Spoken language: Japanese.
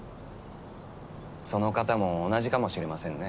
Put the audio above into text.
その方も同じかもしれませんね。